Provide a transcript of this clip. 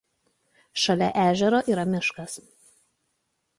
Šalia ežero yra miškas.